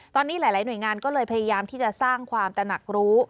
ตอนนี้หลายหน่วยงานก็เลยพยายามที่จะสร้างความตนักรู้